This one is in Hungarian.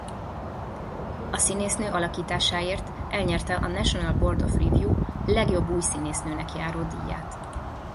A színésznő alakításáért elnyerte a National Board of Review legjobb új színésznőnek járó díját.